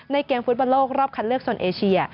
เกมฟุตบอลโลกรอบคัดเลือกโซนเอเชีย